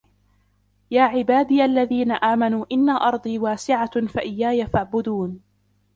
يَا عِبَادِيَ الَّذِينَ آمَنُوا إِنَّ أَرْضِي وَاسِعَةٌ فَإِيَّايَ فَاعْبُدُونِ